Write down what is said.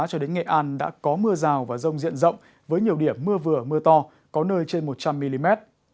cho đến nghệ an đã có mưa rào và rông diện rộng với nhiều điểm mưa vừa mưa to có nơi trên một trăm linh mm